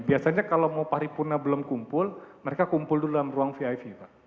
biasanya kalau mau paripurna belum kumpul mereka kumpul dulu dalam ruang vip pak